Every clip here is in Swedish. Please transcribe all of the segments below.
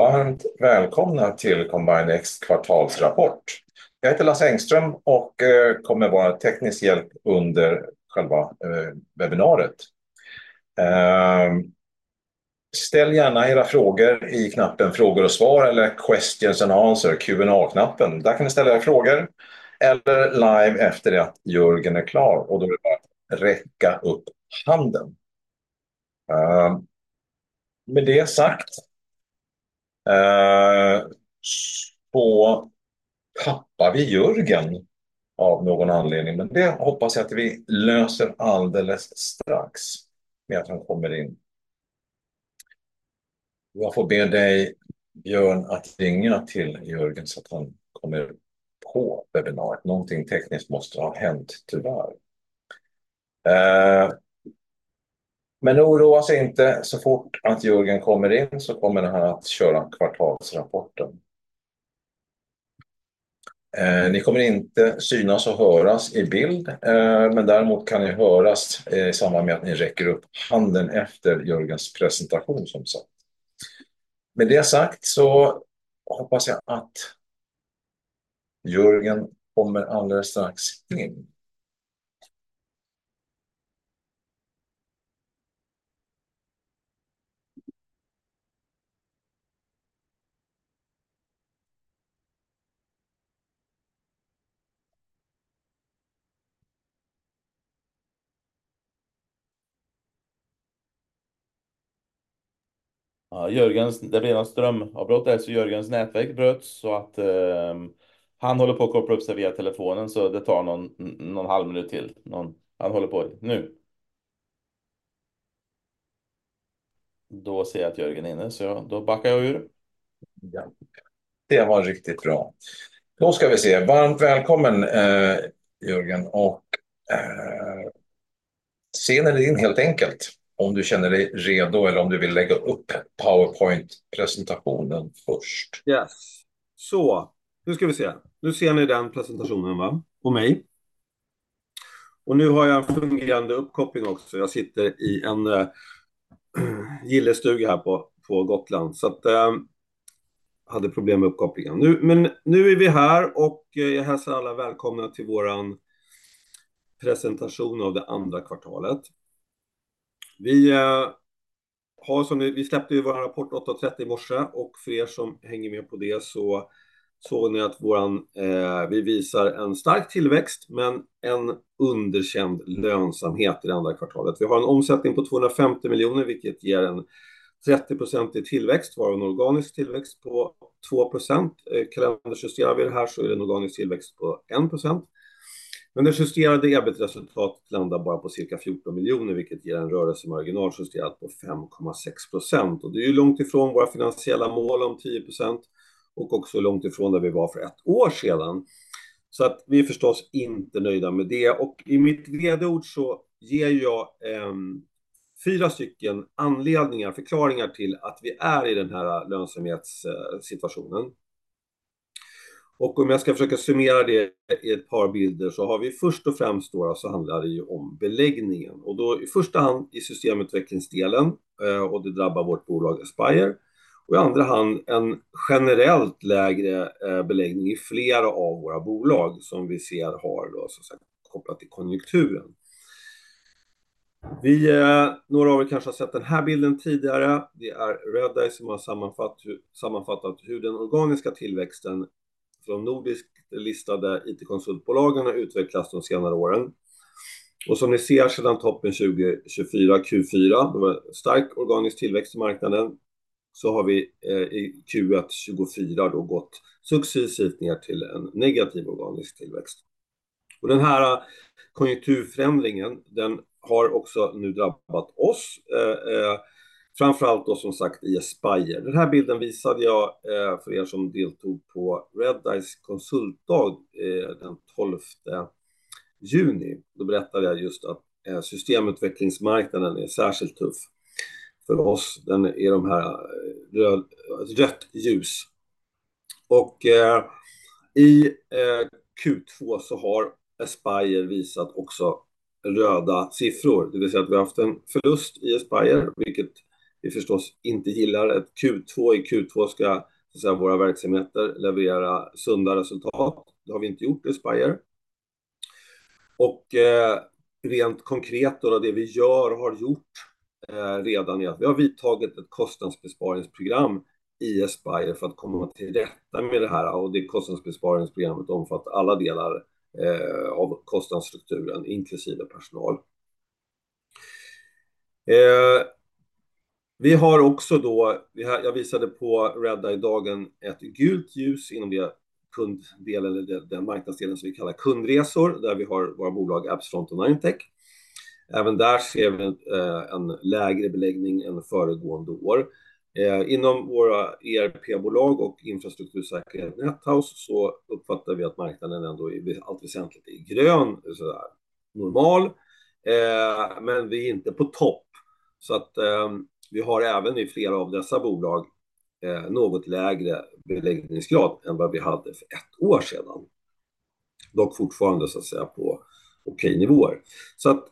Varmt välkomna till Combinex kvartalsrapport. Jag heter Lasse Engström och kommer att vara teknisk hjälp under själva webbinariet. Ställ gärna era frågor i knappen Frågor och svar eller Questions and Answers, Q&A-knappen. Där kan ni ställa era frågor eller live efter det att Jörgen är klar och då är det bara att räcka upp handen. Med det sagt, så tappar vi Jörgen av någon anledning, men det hoppas jag att vi löser alldeles strax med att han kommer in. Jag får be dig, Björn, att ringa till Jörgen så att han kommer på webbinariet. Någonting tekniskt måste ha hänt, tyvärr. Men oroa sig inte. Så fort att Jörgen kommer in så kommer han att köra kvartalsrapporten. Ni kommer inte synas och höras i bild, men däremot kan ni höras i samband med att ni räcker upp handen efter Jörgens presentation, som sagt. Med det sagt så hoppas jag att Jörgen kommer alldeles strax in. Ja, Jörgens, det blev ett strömavbrott där, så Jörgens nätverk bröts så att han håller på att koppla upp sig via telefonen, så det tar någon halvminut till. Han håller på nu. Då ser jag att Jörgen är inne, så då backar jag ur. Det var riktigt bra. Då ska vi se. Varmt välkommen, Jörgen och scenen är din helt enkelt. Om du känner dig redo eller om du vill lägga upp PowerPoint-presentationen först. Ja, så nu ska vi se. Nu ser ni den presentationen va? Och mig. Nu har jag en fungerande uppkoppling också. Jag sitter i en gillestuga här på Gotland, så jag hade problem med uppkopplingen. Men nu är vi här och jag hälsar alla välkomna till vår presentation av det andra kvartalet. Vi har, som vi släppte ju vår rapport 8:30 i morse och för er som hänger med på det så ser ni att vår, vi visar en stark tillväxt, men en underkänd lönsamhet i det andra kvartalet. Vi har en omsättning på 250 miljoner, vilket ger en 30% tillväxt, varav en organisk tillväxt på 2%. Kalenderjusterar vi det här så är det en organisk tillväxt på 1%. Men det justerade EBITA-resultatet landar bara på cirka 14 miljoner, vilket ger en rörelsemarginal justerat på 5,6%. Och det är långt ifrån våra finansiella mål om 10% och också långt ifrån där vi var för ett år sedan. Så att vi är förstås inte nöjda med det och i mitt ledord så ger jag fyra stycken anledningar, förklaringar till att vi är i den här lönsamhetssituationen. Och om jag ska försöka summera det i ett par bilder så har vi först och främst, så handlar det ju om beläggningen. Och då i första hand i systemutvecklingsdelen och det drabbar vårt bolag Espire. Och i andra hand en generellt lägre beläggning i flera av våra bolag som vi ser har så att säga kopplat till konjunkturen. Några av er kanske har sett den här bilden tidigare. Det är Redeye som har sammanfattat hur den organiska tillväxten från nordiskt listade IT-konsultbolagen har utvecklats de senare åren. Och som ni ser, sedan toppen 2024, Q4, då var det stark organisk tillväxt i marknaden, så har vi i Q1 2024 då gått successivt ner till en negativ organisk tillväxt. Och den här konjunkturförändringen, den har också nu drabbat oss, framför allt då, som sagt, i Espire. Den här bilden visade jag för er som deltog på Redeyes konsultdag den tolfte juni. Då berättade jag just att systemutvecklingsmarknaden är särskilt tuff för oss. Den är rött ljus. Och i Q2 så har Espire visat också röda siffror, det vill säga att vi har haft en förlust i Espire, vilket vi förstås inte gillar. I Q2 ska så att säga våra verksamheter leverera sunda resultat. Det har vi inte gjort i Espire. Och rent konkret, det vi gör och har gjort redan är att vi har vidtagit ett kostnadsbesparingsprogram i Espire för att komma till rätta med det här. Kostnadsbesparingsprogrammet omfattar alla delar av kostnadsstrukturen, inklusive personal. Vi har också då, jag visade på Redeye-dagen, ett gult ljus inom det kunddel eller den marknadsdelen som vi kallar kundresor, där vi har våra bolag Epsilon och Ninetech. Även där ser vi en lägre beläggning än föregående år. Inom våra ERP-bolag och infrastruktursäkerhet Nethouse så uppfattar vi att marknaden ändå i allt väsentligt är grön, normal. Men vi är inte på topp, så att vi har även i flera av dessa bolag något lägre beläggningsgrad än vad vi hade för ett år sedan. Dock fortfarande så att säga på okej nivåer. Så att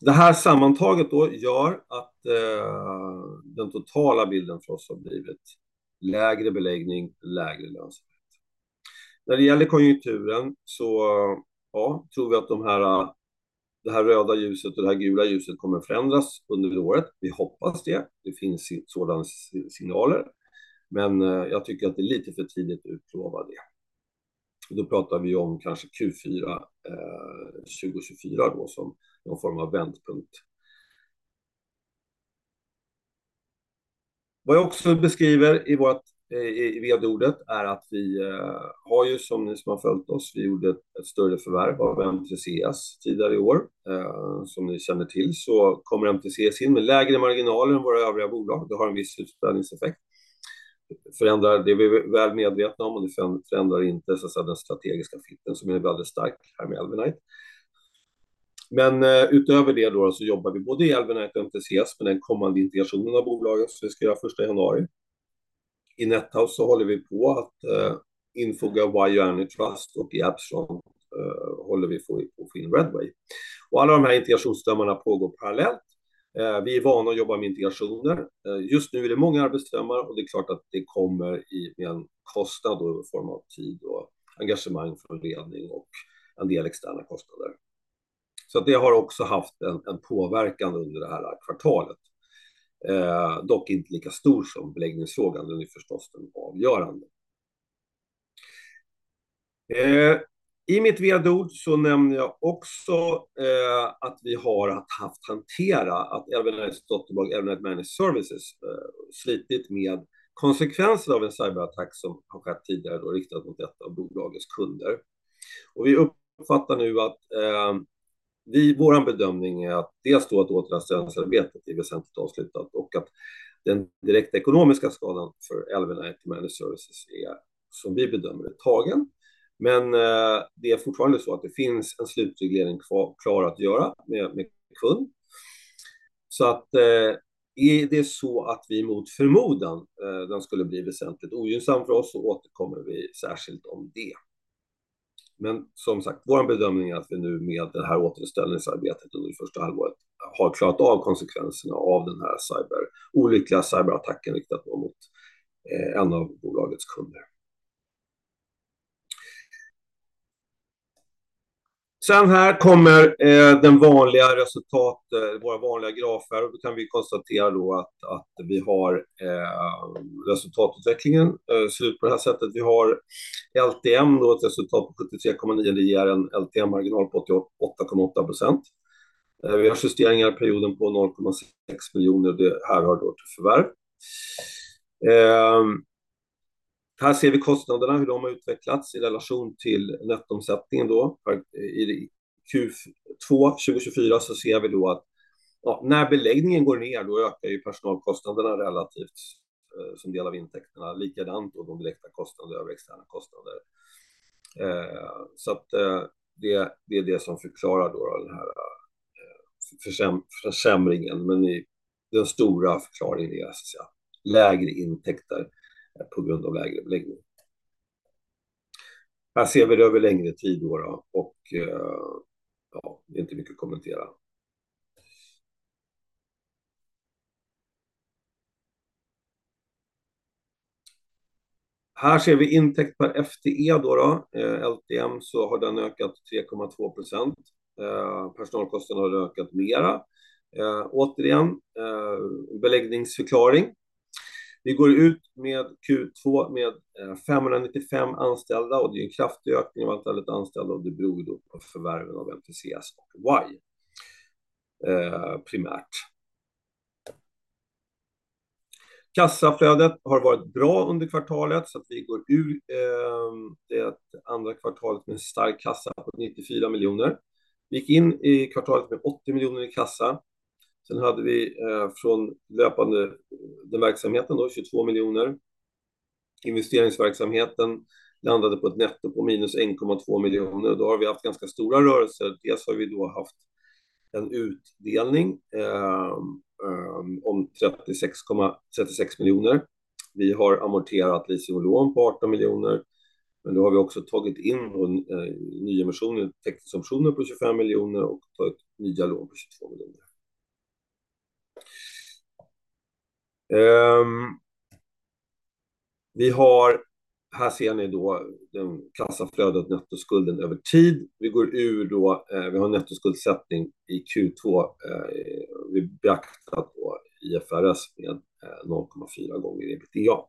det här sammantaget då gör att den totala bilden för oss har blivit lägre beläggning, lägre lönsamhet. När det gäller konjunkturen så, ja, tror vi att det här röda ljuset och det här gula ljuset kommer förändras under året. Vi hoppas det. Det finns sådana signaler, men jag tycker att det är lite för tidigt att utlova det. Då pratar vi om kanske Q4 2024 som någon form av vändpunkt. Vad jag också beskriver i vårt, i VD-ordet, är att vi har ju, som ni som har följt oss, vi gjorde ett större förvärv av MTC tidigare i år. Som ni känner till, så kommer MTC in med lägre marginaler än våra övriga bolag. Det har en viss utspädningseffekt. Förändrar, det är vi väl medvetna om, och det förändrar inte den strategiska fiten, som är väldigt stark här med Elvenite. Men utöver det då, så jobbar vi både i Elvenite och MTCs med den kommande integrationen av bolagen som vi ska göra första januari. I Net House så håller vi på att infoga Y Energy Trust och i Absolut håller vi på in Redway. Alla de här integrationsströmmarna pågår parallellt. Vi är vana att jobba med integrationer. Just nu är det många arbetsströmmar och det är klart att det kommer i en kostnad i form av tid och engagemang från ledning och en del externa kostnader. Så det har också haft en påverkan under det här kvartalet. Dock inte lika stor som beläggningsfrågan, den är förstås den avgörande. I mitt VD-ord så nämnde jag också att vi har att hantera, att Elvenites dotterbolag, Elvenite Managed Services, slitit med konsekvensen av en cyberattack som har skett tidigare och riktat mot ett av bolagets kunder. Vi uppfattar nu att vår bedömning är att dels återställningsarbetet är väsentligt avslutat och att den direkta ekonomiska skadan för Elvenite Managed Services är, som vi bedömer, tagen. Men det är fortfarande så att det finns en slutreglering kvar att göra med kund. Så är det så att vi mot förmodan, den skulle bli väsentligt ogynnsam för oss, så återkommer vi särskilt om det. Men som sagt, vår bedömning är att vi nu med återställningsarbetet under det första halvåret har klarat av konsekvenserna av den här olyckliga cyberattacken, riktad mot en av bolagets kunder. Sen här kommer det vanliga resultatet, våra vanliga grafer. Då kan vi konstatera att resultatutvecklingen ser ut på det här sättet. Vi har LTM, då ett resultat på 73,9, det ger en LTM marginal på 8,8%. Vi har justeringar i perioden på 0,6 miljoner. Det här hör då till förvärv. Här ser vi kostnaderna, hur de har utvecklats i relation till nettoomsättningen då. I Q2 2024 så ser vi då att när beläggningen går ner, då ökar personalkostnaderna relativt som del av intäkterna, likadant de direkta kostnader, övriga externa kostnader. Så att det är det som förklarar då den här försämringen. Men den stora förklaringen är så att säga lägre intäkter på grund av lägre beläggning. Här ser vi det över längre tid då, och ja, det är inte mycket att kommentera. Här ser vi intäkt per FTE då. LTM så har den ökat 3,2%. Personalkostnaden har ökat mera. Återigen, beläggningsförklaring. Vi går ut med Q2 med 595 anställda och det är en kraftig ökning av antalet anställda. Det beror då på förvärven av MTCs och Y, primärt. Kassaflödet har varit bra under kvartalet, så att vi går ur det andra kvartalet med en stark kassa på 94 miljoner. Gick in i kvartalet med 80 miljoner i kassa. Sen hade vi från löpande verksamheten då 22 miljoner. Investeringsverksamheten landade på ett netto på minus 1,2 miljoner. Då har vi haft ganska stora rörelser. Dels har vi då haft en utdelning om 36 miljoner. Vi har amorterat leasing och lån på 18 miljoner, men då har vi också tagit in nyemission, teckningsoptioner på 25 miljoner och tagit nya lån på 22 miljoner. Vi har, här ser ni då kassaflödet nettoskulden över tid. Vi går ur då, vi har en nettoskuldsättning i Q2. Vi beräknar då IFRS med 0,4 gånger EBITDA.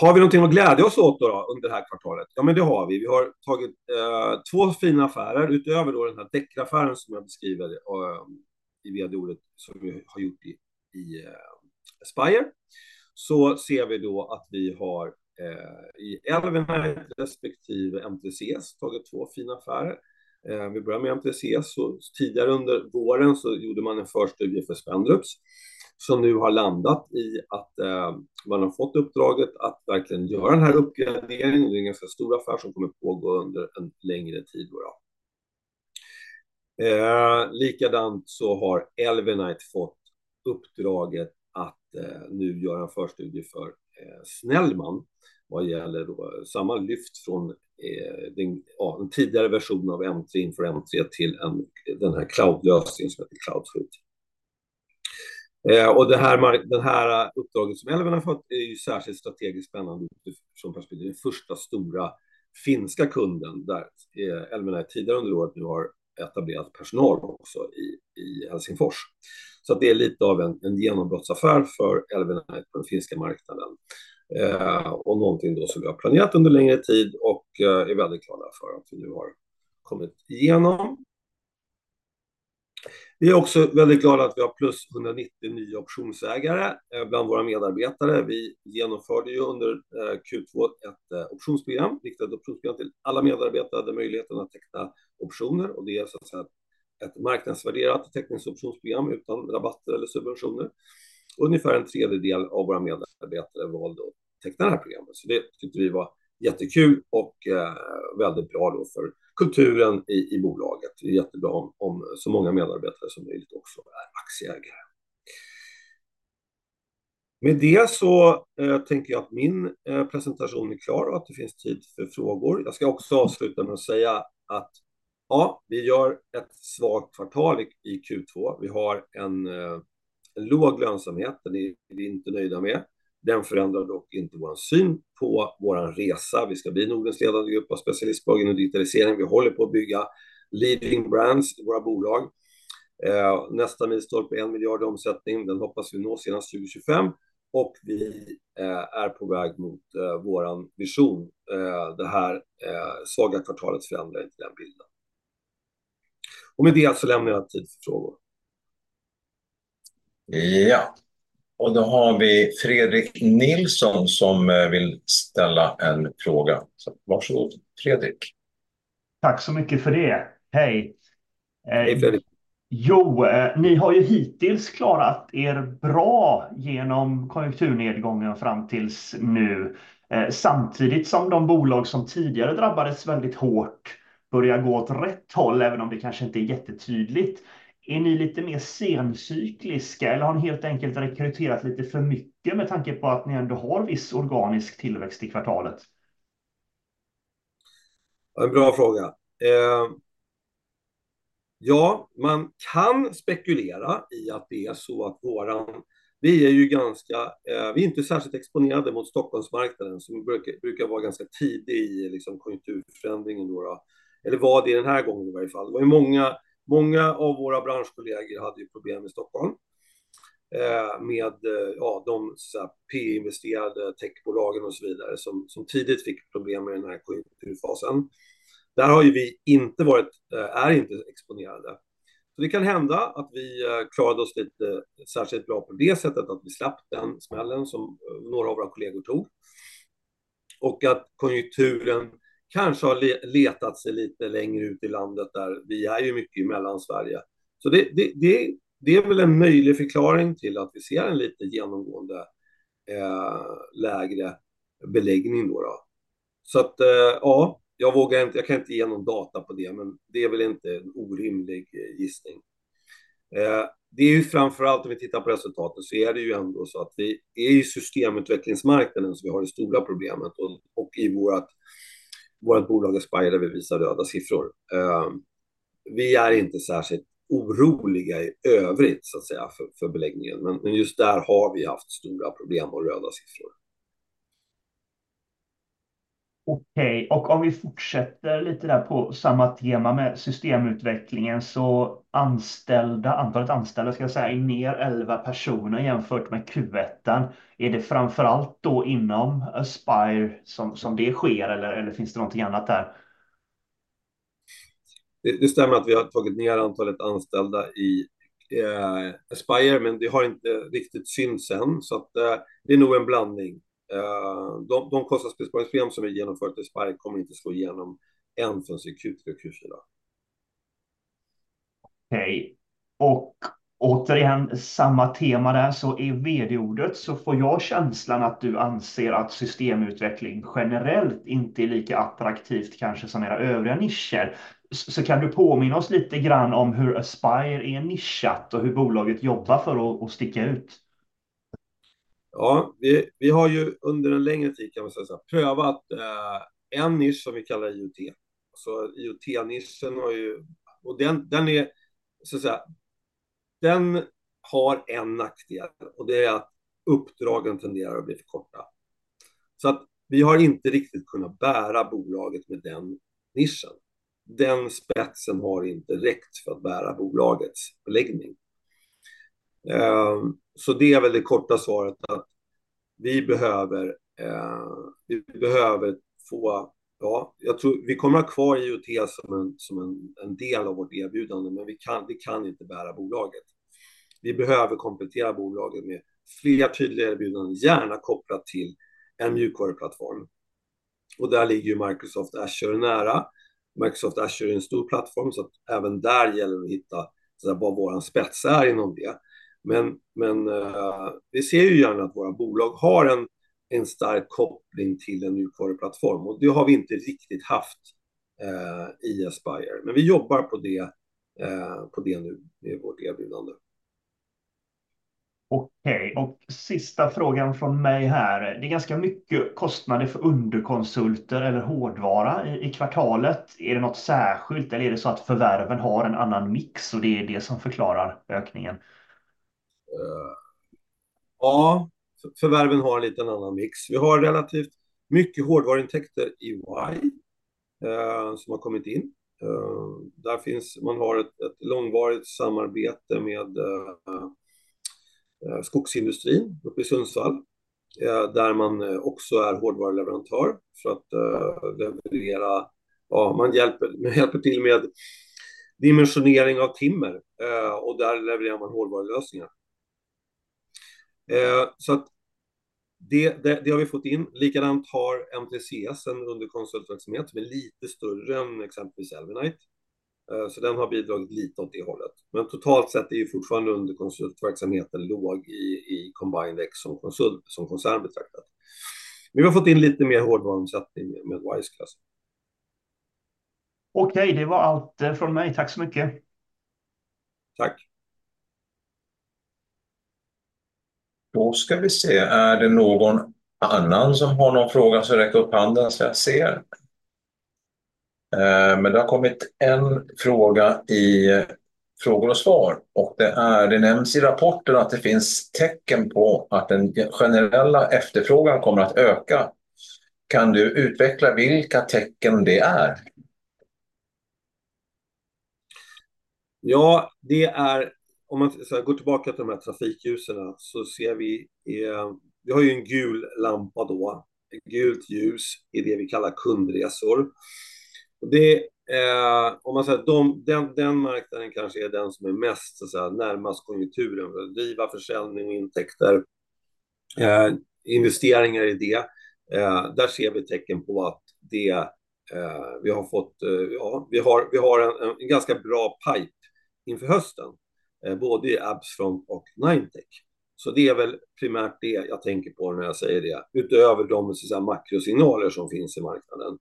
Har vi någonting att glädja oss åt under det här kvartalet? Ja, men det har vi. Vi har tagit två fina affärer. Utöver den här Dekra-affären som jag beskriver i VD-ordet, som vi har gjort i Spire, så ser vi då att vi har i Elvenite, respektive MTCs, tagit två fina affärer. Vi börjar med MTCs. Tidigare under våren så gjorde man en förstudie för Spendrups, som nu har landat i att man har fått uppdraget att verkligen göra den här uppgraderingen. Det är en ganska stor affär som kommer pågå under en längre tid. Likadant så har Elvenite fått uppdraget att nu göra en förstudie för Snellman. Vad gäller då samma lyft från, ja, den tidigare versionen av M3 in för M3 till en, den här cloudlösning som heter Cloud Suite. Och det här, det här uppdraget som Elvenite har fått är ju särskilt strategiskt spännande som den första stora finska kunden, där Elvenite tidigare under året nu har etablerat personal också i Helsingfors. Så det är lite av en genombrottsaffär för Elvenite på den finska marknaden. Och någonting då som vi har planerat under längre tid och är väldigt glada för att vi nu har kommit igenom. Vi är också väldigt glada att vi har plus 190 nya optionsägare bland våra medarbetare. Vi genomförde ju under Q2 ett optionsprogram, riktat optionsprogram till alla medarbetare, hade möjligheten att teckna optioner och det är så att säga ett marknadsvärderat teckningsoptionsprogram utan rabatter eller subventioner. Ungefär en tredjedel av våra medarbetare valde att teckna det här programmet. Så det tyckte vi var jättekul och väldigt bra då för kulturen i bolaget. Vi är jättebra om så många medarbetare som möjligt också är aktieägare. Med det så tänker jag att min presentation är klar och att det finns tid för frågor. Jag ska också avsluta med att säga att ja, vi gör ett svagt kvartal i Q2. Vi har en låg lönsamhet, den är vi inte nöjda med. Den förändrar dock inte vår syn på vår resa. Vi ska bli Nordens ledande grupp av specialistbolag inom digitalisering. Vi håller på att bygga leading brands i våra bolag. Nästa milstolpe, en miljard omsättning, den hoppas vi nå senast 2025 och vi är på väg mot vår vision. Det här svaga kvartalet förändrar inte den bilden. Och med det så lämnar jag tid för frågor. Ja, och då har vi Fredrik Nilsson som vill ställa en fråga. Varsågod, Fredrik. Tack så mycket för det. Hej! Hej, Fredrik. Jo, ni har ju hittills klarat er bra igenom konjunkturnedgången fram tills nu. Samtidigt som de bolag som tidigare drabbades väldigt hårt börjar gå åt rätt håll, även om det kanske inte är jättetydligt. Är ni lite mer sencykliska eller har ni helt enkelt rekryterat lite för mycket med tanke på att ni ändå har viss organisk tillväxt i kvartalet? Det är en bra fråga. Ja, man kan spekulera i att det är så att vår... Vi är ju ganska, vi är inte särskilt exponerade mot Stockholmsmarknaden, som brukar vara ganska tidig i konjunkturförändringen, eller var det den här gången i varje fall. Det var ju många av våra branschkollegor som hade problem i Stockholm med de P-investerade techbolagen och så vidare, som tidigt fick problem med den här konjunkturfasen. Där har vi inte varit, är inte exponerade. Det kan hända att vi klarade oss lite särskilt bra på det sättet, att vi slapp den smällen som några av våra kollegor tog. Konjunkturen kanske har letat sig lite längre ut i landet där vi är mycket i Mellansverige. Det är väl en möjlig förklaring till att vi ser en lite genomgående lägre beläggning. Så att ja, jag vågar inte, jag kan inte ge någon data på det, men det är väl inte en orimlig gissning. Det är ju framför allt om vi tittar på resultaten, så är det ju ändå så att vi är i systemutvecklingsmarknaden som vi har det stora problemet och i vårt bolag Aspire, där vi visar röda siffror. Vi är inte särskilt oroliga i övrigt, så att säga, för beläggningen, men just där har vi haft stora problem och röda siffror. Okej, och om vi fortsätter lite där på samma tema med systemutvecklingen, så anställda, antalet anställda ska jag säga, är ner elva personer jämfört med Q1. Är det framför allt då inom Aspire som det sker eller finns det någonting annat där? Det stämmer att vi har tagit ner antalet anställda i Aspire, men det har inte riktigt synts än. Så det är nog en blandning. De kostnadsbesparingsprogram som vi genomfört i Aspire kommer inte slå igenom förrän Q3-kurserna. Okej, och återigen, samma tema där. Så i VD-ordet så får jag känslan att du anser att systemutveckling generellt inte är lika attraktivt, kanske som era övriga nischer. Så kan du påminna oss lite grann om hur Aspire är nischat och hur bolaget jobbar för att sticka ut? Ja, vi har ju under en längre tid kan man säga prövat en nisch som vi kallar IoT. Alltså, IoT-nischen har ju, och den är så att säga, den har en nackdel och det är att uppdragen tenderar att bli för korta. Så att vi har inte riktigt kunnat bära bolaget med den nischen. Den spetsen har inte räckt för att bära bolagets beläggning. Så det är väl det korta svaret att vi behöver, vi behöver få, ja, jag tror vi kommer att ha kvar IoT som en del av vårt erbjudande, men vi kan, det kan inte bära bolaget. Vi behöver komplettera bolaget med fler tydliga erbjudanden, gärna kopplat till en mjukvaruplattform. Och där ligger ju Microsoft Azure nära. Microsoft Azure är en stor plattform, så att även där gäller det att hitta vad vår spets är inom det. Men vi ser ju gärna att våra bolag har en stark koppling till en mjukvaruplattform. Och det har vi inte riktigt haft i Aspire. Men vi jobbar på det nu med vårt erbjudande. Okej, och sista frågan från mig här. Det är ganska mycket kostnader för underkonsulter eller hårdvara i kvartalet. Är det något särskilt eller är det så att förvärven har en annan mix och det är det som förklarar ökningen? Ja, förvärven har en liten annan mix. Vi har relativt mycket hårdvaruintäkter i Why som har kommit in. Där finns, man har ett långvarigt samarbete med skogsindustrin uppe i Sundsvall, där man också är hårdvaruleverantör. För att leverera, ja, man hjälper till med dimensionering av timmer och där levererar man hårdvarulösningar. Så att det har vi fått in. Likadant har MTCS, en underkonsultverksamhet som är lite större än exempelvis Elvenite. Så den har bidragit lite åt det hållet. Men totalt sett är ju fortfarande underkonsultverksamheten låg i Combined X som konsult, som koncern betraktat. Vi har fått in lite mer hårdvaruomsättning med Wise Class. Okej, det var allt från mig. Tack så mycket! Tack. Då ska vi se. Är det någon annan som har någon fråga så räck upp handen så jag ser? Men det har kommit en fråga i frågor och svar och det är: det nämns i rapporten att det finns tecken på att den generella efterfrågan kommer att öka. Kan du utveckla vilka tecken det är? Ja, det är, om man så här går tillbaka till de här trafikljusen, så ser vi vi har ju en gul lampa då, gult ljus i det vi kallar kundresor. Det är, om man säger, den marknaden kanske är den som är mest, så att säga, närmast konjunkturen. Driva försäljning och intäkter, investeringar i det. Där ser vi tecken på att det vi har fått, ja, vi har en ganska bra pipe inför hösten, både i Absfront och Ninetech. Så det är väl primärt det jag tänker på när jag säger det, utöver de makrosignaler som finns i marknaden.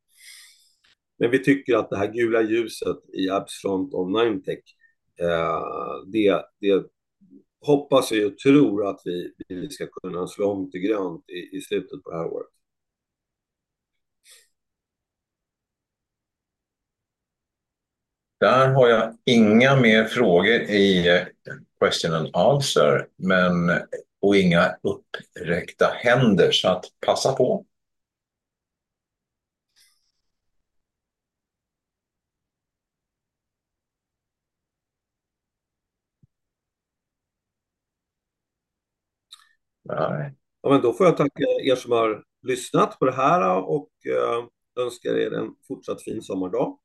Men vi tycker att det här gula ljuset i Absfront och Ninetech, det hoppas vi och tror att vi ska kunna slå om till grönt i slutet på det här året. Där har jag inga fler frågor i question and answer, men inga upprackta händer. Så passa på! Nej, men då får jag tacka er som har lyssnat på det här och önskar er en fortsatt fin sommardag.